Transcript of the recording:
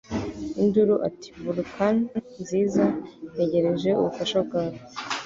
induru ati Vulcan Nziza Ntegereje ubufasha bwawe